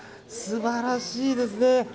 素晴らしいですね。